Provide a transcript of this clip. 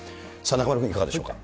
中丸君、いかがでしょうか。